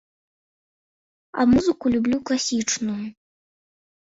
А музыку люблю класічную.